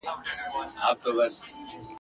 زه او آس یو د یوه غوجل چارپایه ..